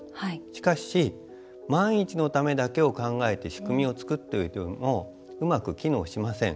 しかし、万一のためだけを考えて仕組みを作っていてもうまく機能しません。